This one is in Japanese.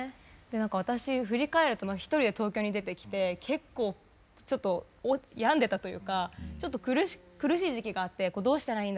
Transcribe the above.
なんか私振り返ると一人で東京に出てきて結構ちょっと病んでたというかちょっと苦しい時期があってどうしたらいいんだろうみたいな。